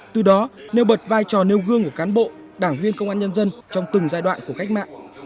từ đó nêu bật vai trò nêu gương của cán bộ đảng viên công an nhân dân trong từng giai đoạn của cách mạng